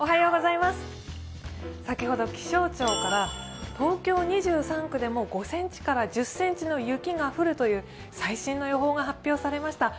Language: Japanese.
先ほど気象庁から東京２３区でも５ｃｍから１０ｃｍの雪が降るという最新の予報が発表されまし。